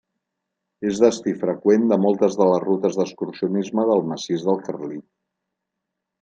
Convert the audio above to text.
És destí freqüent de moltes de les rutes d'excursionisme del Massís del Carlit.